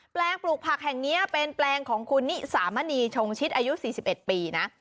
แปลงปลูกผักแห่งนี้เป็นแปลงของคุณนิสามณีชงชิดอายุ๔๑ปีนะ